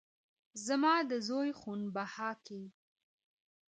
زما د زوى خون بها کې